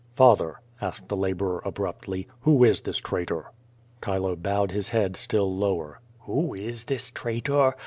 "Father," asked the laborer abruptly, "who is this trai tor?" Chilo bowed his head still lower. ^^Who is this traitor?